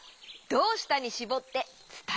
「どうした」にしぼっていうと？